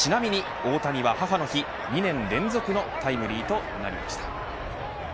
ちなみに大谷は母の日２年連続のタイムリーとなりました。